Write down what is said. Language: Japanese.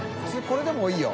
これでも多いよ